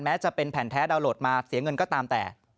จะเป็นแผ่นแท้ดาวนโหลดมาเสียเงินก็ตามแต่